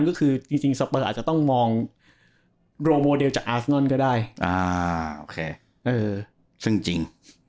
ก็คือสเปอร์อาจจะต้องมองโรโมเดลจากอาร์สนอนก็ได้ซึ่งจริง